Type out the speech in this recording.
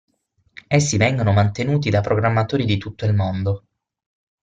Essi vengono mantenuti da programmatori di tutto il mondo.